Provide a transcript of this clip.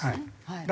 はい。